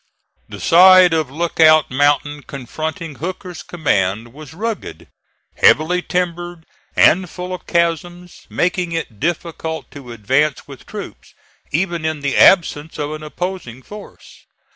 The side of Lookout Mountain confronting Hooker's command was rugged, heavily timbered, and full of chasms, making it difficult to advance with troops, even in the absence of an opposing force.